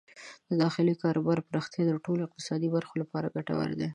د داخلي کاروبارونو پراختیا د ټولو اقتصادي برخو لپاره ګټوره ده.